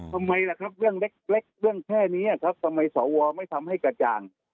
ทำไมล่ะครับเรื่องเล็กเรื่องแค่นี้ครับทำไมสวไม่ทำให้กระจ่าง